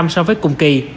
so với cùng kỳ